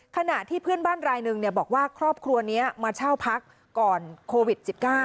ขณะที่เพื่อนบ้านรายหนึ่งบอกว่าครอบครัวนี้มาเช่าพักก่อนโควิด๑๙